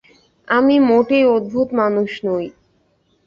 আমি মোটেই অদ্ভুত মানুষ নই।